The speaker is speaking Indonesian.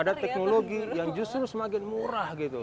karena ada teknologi yang justru semakin murah gitu